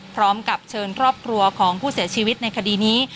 พร้อมกับเชิญครอบครัวของผู้เสียชีวิตในคดีนี้